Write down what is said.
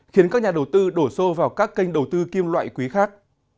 khiến các nhà đầu tư đổ xô vào các kênh đầu tư kim loại quý khác